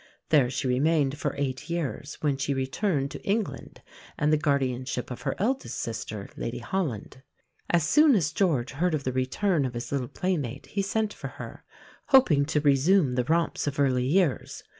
There she remained for eight years, when she returned to England and the guardianship of her eldest sister, Lady Holland. As soon as George heard of the return of his little playmate he sent for her, hoping to resume the romps of early years.